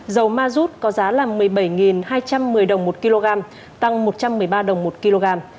dầu ma rút có giá là một mươi bảy hai trăm một mươi đồng một kg tăng một trăm một mươi ba đồng một kg